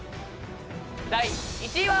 第１位は。